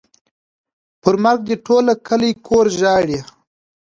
پر مرګ دې ټوله کلي کور ژاړي.